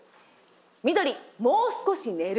緑「もう少し寝る」。